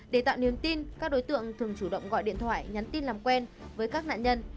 để tạo niềm tin các đối tượng thường chủ động gọi điện thoại nhắn tin làm quen với các nạn nhân